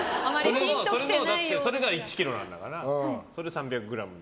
それが１ｋｇなんだからそれを３００ｇに。